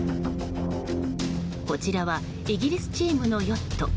こちらはイギリスチームのヨット。